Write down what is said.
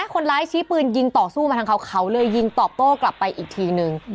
คนร้ายชี้ปืนยิงต่อสู้มาทางเขาเขาเลยยิงตอบโต้กลับไปอีกทีนึง